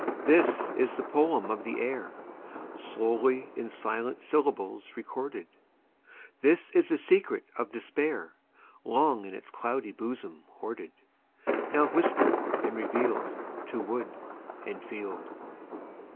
This is the poem of the air, Slowly in silent syllables recorded; This is the secret of despair, Long in its cloudy bosom hoarded, Now whispered and revealed To wood and field.